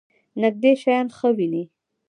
نږدې شیان ښه وینئ؟